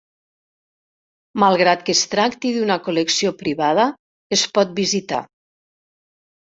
Malgrat que es tracti d'una col·lecció privada, es pot visitar.